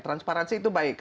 transparansi itu baik